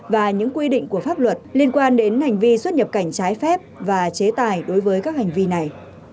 và những quy định của pháp luật liên quan đến hành vi xuất nhập cảnh trái phép và chế tài đối với các hành vi này